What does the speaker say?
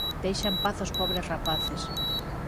Deixa en paz ós pobres rapaces.